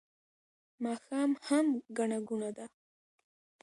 ماښام هم ګڼه ګوڼه ده